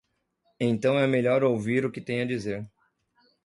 Então é melhor ouvir o que tem a dizer.